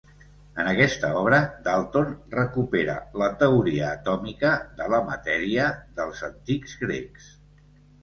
En aquesta obra, Dalton recupera la teoria atòmica de la matèria dels antics grecs.